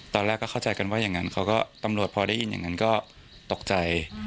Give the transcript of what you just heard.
ตอนแรกก็เข้าใจกันว่าอย่างนั้นเขาก็ตำรวจพอได้ยินอย่างนั้นก็ตกใจ